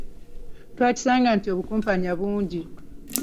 Twakisanga nti obukumpanya bungi.